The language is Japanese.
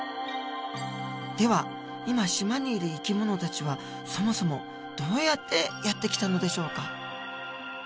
では今島にいる生き物たちはそもそもどうやってやって来たのでしょうか？